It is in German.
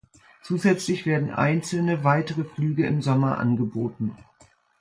Zusätzlich werden einzelne weitere Flüge im Sommer angeboten.